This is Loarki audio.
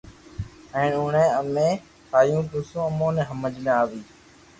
ھين اوني امي ٺايو پسو اموني ھمج ۾ اوئي